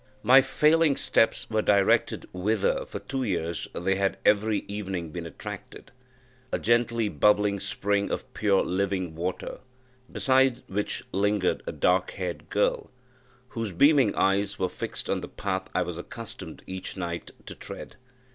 My failing steps were directed whither for two years they had every evening been attracted, a gently bubbling spring of pure living water, beside which lingered a dark haired girl, whose beaming eyes were fixed on the path I was accustomed each night to tread.